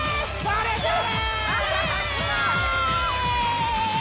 ありがとう！